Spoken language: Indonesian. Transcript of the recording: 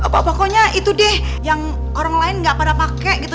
pokoknya itu deh yang orang lain nggak pada pakai gitu